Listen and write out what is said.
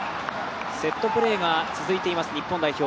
セットプレーが続いています日本代表。